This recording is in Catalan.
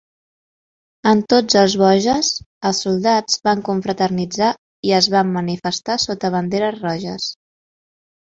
En tots els Vosges els soldats van confraternitzar i es van manifestar sota banderes roges.